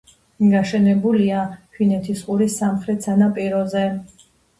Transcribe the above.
გაშენებულია ფინეთის ყურის სამხრეთ სანაპიროზე.